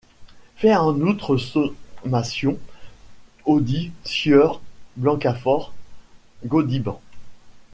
Fais, en outre, sommation audit sieur Blancafort…" Gaudiband.